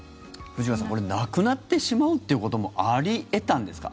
藤川さん、これなくなってしまうということもあり得たんですか？